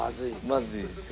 まずいですよ。